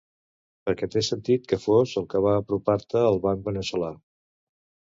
Perquè té sentit que fos el que va apropar-te al banc veneçolà.